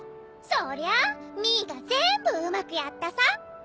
そりゃあミーが全部うまくやったさ！